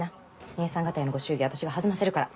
姐さん方へのご祝儀はあたしが弾ませるから。